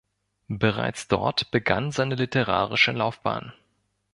Bereits dort begann seine literarische Laufbahn.